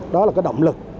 đó là cái động lực